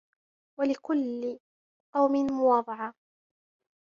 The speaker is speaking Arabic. وَلِكُلِّ قَوْمٍ مُوَاضَعَةٌ